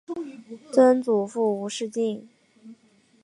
曾祖父吴仕敬。